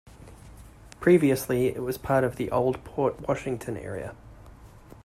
Previously, it was part of the old Port Washington area.